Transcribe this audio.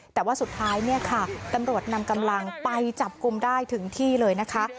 แต่ว่าสุดท้ายเนี่ยค่ะตำรวจนำกำลังไปจับกลุ่มได้ถึงที่เลยนะคะ